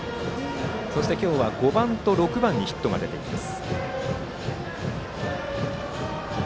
そして今日は５番と６番にヒットが出ています。